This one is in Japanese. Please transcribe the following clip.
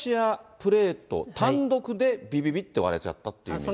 プレート単独で、びびびって割れちゃったっていうことですか？